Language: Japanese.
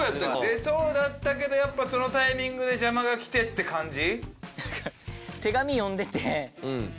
出そうだったけどやっぱそのタイミングで邪魔が来てって感じ？